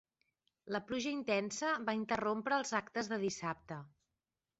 La pluja intensa va interrompre els actes de dissabte.